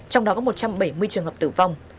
trong đó có một trăm bảy mươi trường hợp tử vong